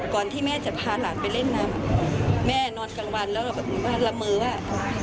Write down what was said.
ที่แม่จะพาหลานไปเล่นน้ำแม่นอนกลางวันแล้วเราก็ละเมอว่า